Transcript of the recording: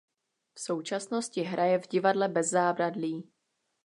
V současnosti hraje v "Divadle Bez zábradlí".